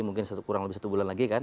mungkin kurang lebih satu bulan lagi kan